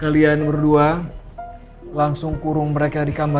kalian berdua langsung kurung mereka di kamar